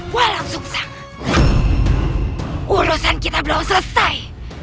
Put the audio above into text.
walau sukses urusan kita belum selesai